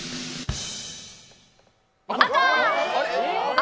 赤！